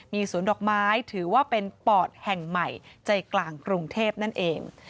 มีสวนดอกไม้ถือว่าเป็นปอดแห่งใหม่ใจกลางกรุงเทพนั่นเอง